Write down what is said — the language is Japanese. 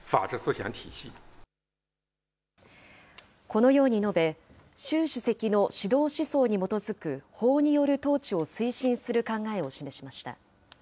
このように述べ、習主席の指導思想に基づく法による統治を推進する考えを示しました。